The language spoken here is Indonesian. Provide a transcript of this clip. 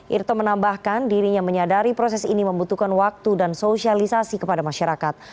irto menambahkan dirinya menyadari proses ini membutuhkan waktu dan sosialisasi kepada masyarakat